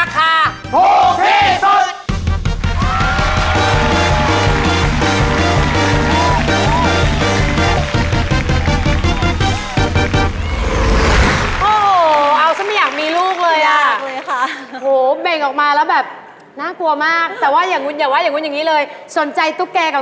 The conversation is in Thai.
แต่ว่าก็มีลูกมาแล้วจะให้นอนห้องเด็กใจละ